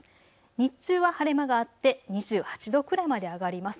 日中は晴れ間があって２８度くらいまで上がります。